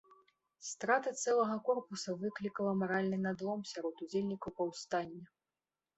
Страта цэлага корпуса выклікала маральны надлом сярод удзельнікаў паўстання.